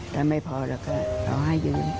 ถ้าไม่พอเราก็เอาให้ยืม